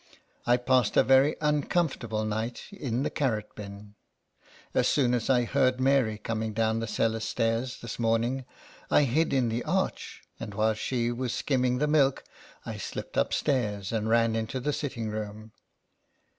I passed a very uncomfortable night* in the carrot bin. As soon as I heard Mary coming down the cellar stairs, this morning, I hid in the arch, and while she was skimming the milk, I slipped upstairs, and ran into the sitting room.